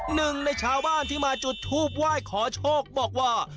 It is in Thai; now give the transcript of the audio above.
หนึ่งในชาวบ้านที่มาจุดทูบไหว้ขอโชคบอกว่า